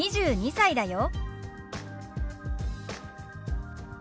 ２２歳だよ。